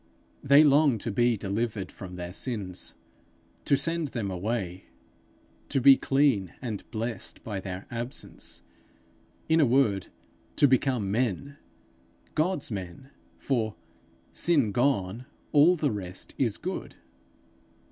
They long to be delivered from their sins, to send them away, to be clean and blessed by their absence in a word to become men, God's men; for, sin gone, all the rest is good.